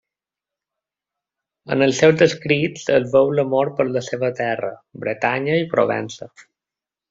En els seus escrits, es veu l'amor per la seva terra, Bretanya i Provença.